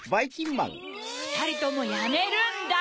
ふたりともやめるんだ。